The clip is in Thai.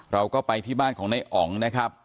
เราก็ไปที่บ้านของนายอ๋องนะครับ